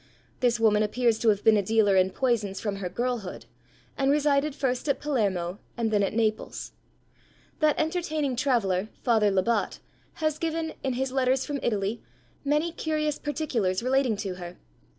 This woman appears to have been a dealer in poisons from her girlhood, and resided first at Palermo and then at Naples. That entertaining traveller, Father Lebat, has given, in his letters from Italy, many curious particulars relating to her.